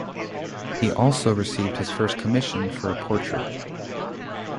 He also received his first commission for a portrait.